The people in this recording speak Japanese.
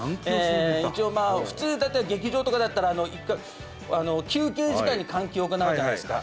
一応普通大体劇場とかだったら一回休憩時間に換気を行うじゃないですか。